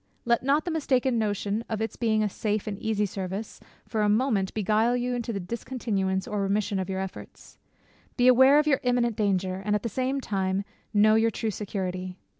Let not the mistaken notion of its being a safe and easy service, for a moment beguile you into the discontinuance or remission of your efforts. Be aware of your imminent danger, and at the same time know your true security.